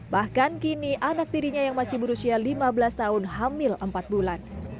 bahkan kini anak tirinya yang masih berusia lima belas tahun hamil empat bulan